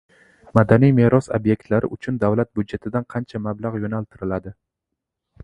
Madaniy meros ob’ektlari uchun Davlat byudjetidan qancha mablag‘ yo‘naltiriladi?